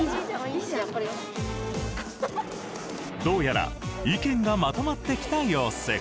どうやら意見がまとまってきた様子。